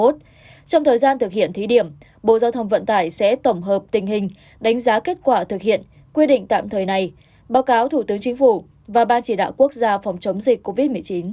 trong thời gian thực hiện thí điểm bộ giao thông vận tải sẽ tổng hợp tình hình đánh giá kết quả thực hiện quy định tạm thời này báo cáo thủ tướng chính phủ và ban chỉ đạo quốc gia phòng chống dịch covid một mươi chín